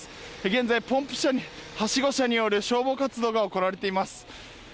現在、ポンプ車、はしご車による消防活動が行われています。